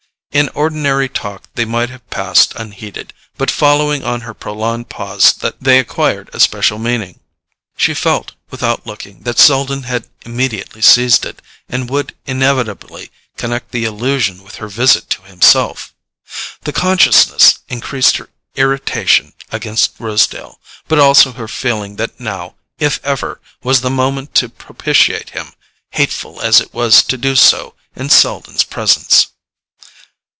In ordinary talk they might have passed unheeded; but following on her prolonged pause they acquired a special meaning. She felt, without looking, that Selden had immediately seized it, and would inevitably connect the allusion with her visit to himself. The consciousness increased her irritation against Rosedale, but also her feeling that now, if ever, was the moment to propitiate him, hateful as it was to do so in Selden's presence.